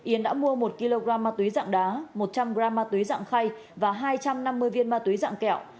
yến đã mua một kg ma túy dạng đá một trăm linh g ma túy dạng khay và hai trăm năm mươi viên ma túy dạng kẹo